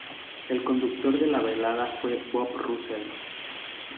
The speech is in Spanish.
El conductor de la velada fue Bob Russell.